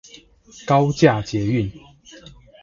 高架捷運